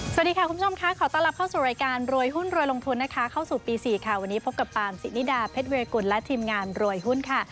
สวัสดีค่ะคุณผู้ชมค่ะขอต้อนรับเข้าสู่รายการรวยหุ้นรวยลงทุนนะคะเข้าสู่ปี๔ค่ะวันนี้พบกับปามสินิดาเพชรเวกุลและทีมงานรวยหุ้นค่ะ